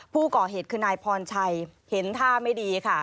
ผู้ก่อเหตุคือนายพรชัยเห็นท่าไม่ดีค่ะ